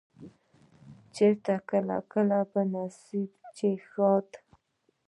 چرته کله کله په نصيب چې ښادي